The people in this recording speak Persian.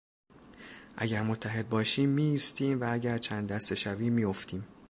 اگر متحد باشیم میایستیم و اگر چند دسته شویم میافتیم.